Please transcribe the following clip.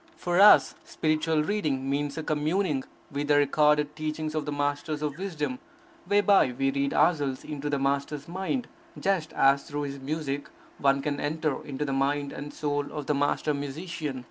For us, spiritual reading means a communing with the recorded teachings of the Masters of wisdom, whereby we read ourselves into the Master's mind, just as through his music one can enter into the mind and soul of the master musician.